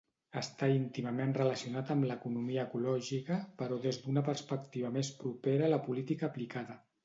Està íntimament relacionat amb l'economia ecològica, però des d'una perspectiva més propera a la política aplicada.